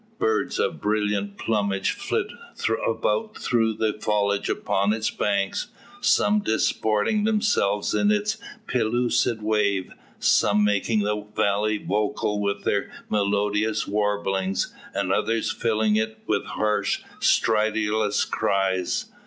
Birds of brilliant plumage flit about through the foliage upon its banks, some disporting themselves in its pellucid wave; some making the valley vocal with their melodious warblings, and others filling it with harsh, stridulous cries.